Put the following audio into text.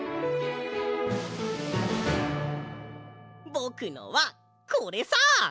ぼくのはこれさ！